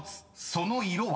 その色は？］